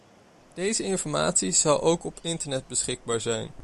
Deze informatie zal ook op internet beschikbaar zijn.